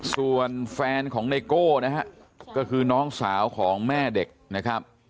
ส่วนแฟนของไนโก้นะฮะก็คือน้องสาวของแม่เด็กนะครับ